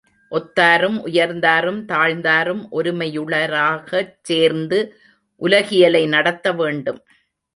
ஒத்தாரும் உயர்ந்தாரும் தாழ்ந்தாரும் ஒருமையுளராகச் சேர்ந்து உலகியலை நடத்த வேண்டும்.